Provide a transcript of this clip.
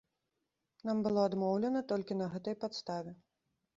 Нам было адмоўлена толькі на гэтай падставе.